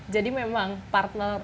jadi memang partner